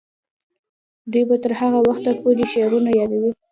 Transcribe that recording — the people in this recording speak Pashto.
دوی به تر هغه وخته پورې شعرونه یادوي.